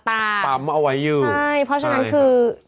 แบบปรัมเอาไว้อยู่ใช่คือ